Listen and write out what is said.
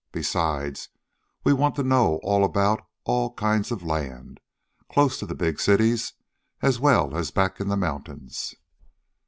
Besides, we want to know all about all kinds of land, close to the big cities as well as back in the mountains."